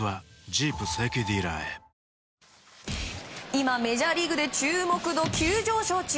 今、メジャーリーグで注目度急上昇中。